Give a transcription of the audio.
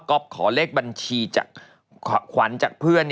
ก็ขอเลขบัญชีจากขวัญจากเพื่อน